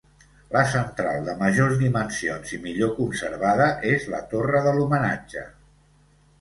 La central, de majors dimensions i millor conservada, és la Torre de l'Homenatge.